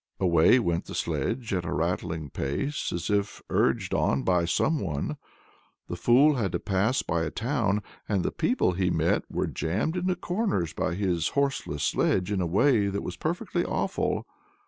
Away went the sledge at a rattling pace, as if urged on by some one. The fool had to pass by a town, and the people he met were jammed into corners by his horseless sledge in a way that was perfectly awful.